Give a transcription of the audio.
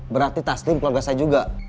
berarti taslim keluarga saya juga